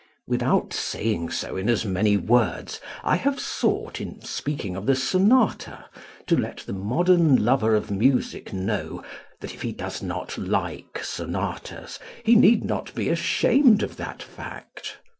Without saying so in as many words, I have sought, in speaking of the sonata, to let the modern lover of music know that if he does not like sonatas he need not be ashamed of that fact.